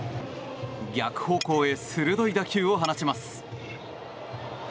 逆方向へ鋭い打球を放ちます。